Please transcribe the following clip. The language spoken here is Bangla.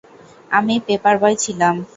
আমি পেপারবয় ছিলাম।